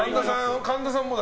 神田さんも。